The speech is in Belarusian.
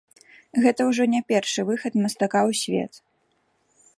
Гэта ўжо не першы выхад мастака ў свет.